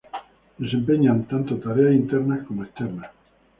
Desempeñan tanto tareas internas como externas.